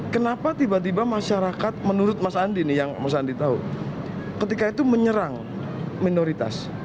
kenapa tiba tiba masyarakat menurut mas andi nih yang mas andi tahu ketika itu menyerang minoritas